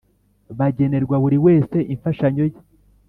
bagenerwa buri wese imfashanyo ye.